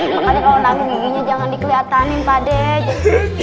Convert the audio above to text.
makanya kalau nangis giginya jangan dikelihatanin pak dema